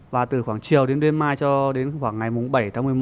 và từ khoảng chiều đến đêm mai cho đến khoảng ngày bảy tháng một mươi một